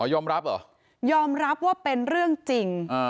ยอมรับเหรอยอมรับว่าเป็นเรื่องจริง